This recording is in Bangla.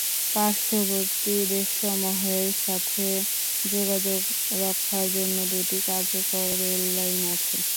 পার্শ্ববর্তী দেশসমূহের সাথে যোগাযোগ রক্ষার জন্য দুটি কার্যকর রেল লাইন আছে।